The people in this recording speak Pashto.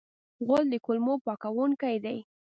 غول د کولمو پاکونکی دی.